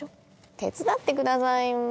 手伝ってくださいよ。